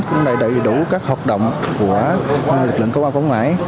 cũng là đầy đủ các hoạt động của lực lượng công an công ngãi